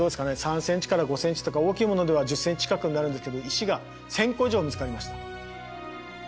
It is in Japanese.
３ｃｍから５ｃｍとか大きいものでは１０ｃｍ近くになるんですけど石が１，０００個以上見つかりました。